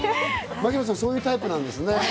牧野さん、そういうタイプなんですね。